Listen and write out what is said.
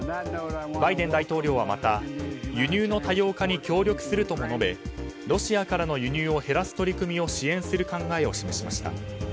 バイデン大統領は、また輸入の多様化に協力するとも述べロシアからの輸入を減らす取り組みを支援する考えを示しました。